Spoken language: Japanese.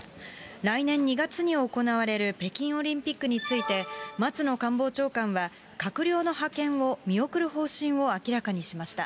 来年２月に行われる北京オリンピックについて、松野官房長官は、閣僚の派遣を見送る方針を明らかにしました。